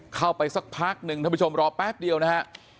เข้าไปสักพักหนึ่งท่านผู้ชมรอแป๊บเดียวนะฮะ